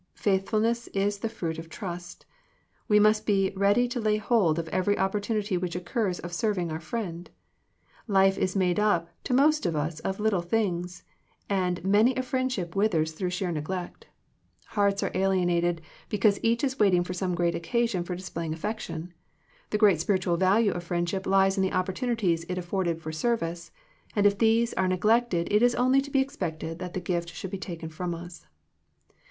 Faithful ness is the fruit of trust. We riiust be ready to lay hold of every opportunity which occurs of serving our friend. Life is made up to most of us of little things, and many a friendship withers through 48 Digitized by VjOOQIC THE CULTURE OF FRIENDSHIP sheer neglect Hearts are alienated, be cause each is waiting for some great oc casion for displaying affection. The great spiritual value of friendship lies in the opportunities it afforded for service, and if these are neglected it is only to be expected that the gift should be taken from us.